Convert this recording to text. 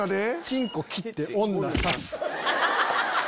チ○コ切って女刺す。